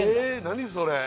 何それ？